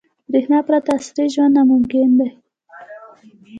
• برېښنا پرته عصري ژوند ناممکن دی.